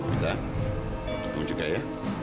kita dukung juga ya